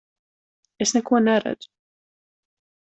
Es neko neredzu!